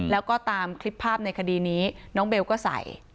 แล้วก็ตามคลิปภาพในคดีนี้น้องเบลก็ใส่